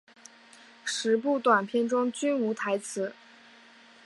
十部短片中均无台词。